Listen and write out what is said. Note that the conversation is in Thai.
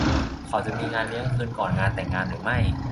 เขาจะมีงานเลี้ยงคืนก่อนงานแต่งงานหรือไม่ ?